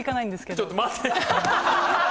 ちょっと待って！